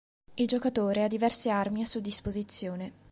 Il giocatore ha diverse armi a sua disposizione.